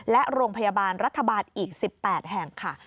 และโรงพยาบาลรัฐบาลอีก๑๘แห่งค่ะ